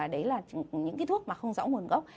đấy là những cái thuốc mà không rõ nguồn gốc